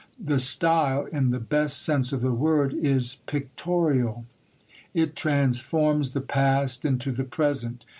The style, in the best sense of the word, is pictorial; it transforms the past into the present.